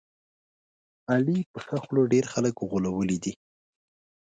علي په ښه خوله ډېر خلک غولولي دي.